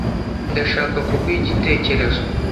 Ndashaka kuguha igitekerezo.